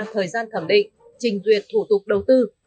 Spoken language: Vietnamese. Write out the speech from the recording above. thời gian thẩm định trình duyệt thủ tục đầu tư